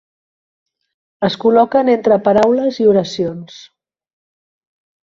Es col·loquen entre paraules i oracions.